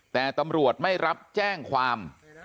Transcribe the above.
แต่ตำรวจไม่รับแจ้งความ